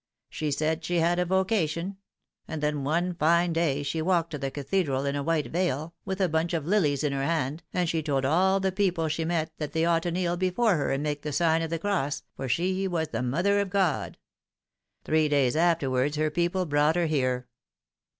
She said she had a vocation ; and then one fine day she walked to the Cathedral in a white veil, with a bunch of lilies in her hand, and she told all the people she met that they ought to kneel before her and make the sign of the cross, for she was the Mother of God. Three days after wards her people brought her here.